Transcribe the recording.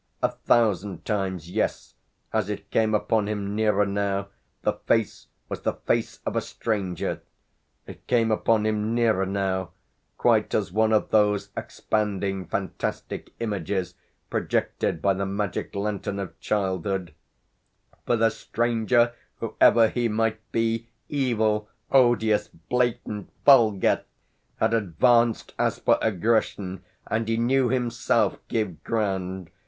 A thousand times yes, as it came upon him nearer now, the face was the face of a stranger. It came upon him nearer now, quite as one of those expanding fantastic images projected by the magic lantern of childhood; for the stranger, whoever he might be, evil, odious, blatant, vulgar, had advanced as for aggression, and he knew himself give ground.